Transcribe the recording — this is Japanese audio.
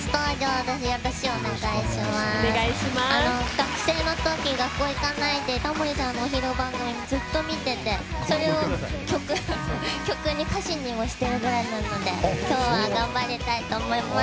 学生の時、学校行かないでタモリさんのお昼番組をずっと見ててそれを歌詞にしているぐらいなので今日は、頑張りたいと思います。